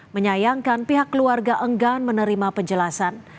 menyayangkan pihak keluarga enggan menerima penjelasan